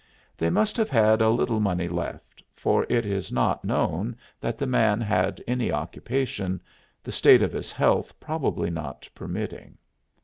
They must have had a little money left, for it is not known that the man had any occupation, the state of his health probably not permitting.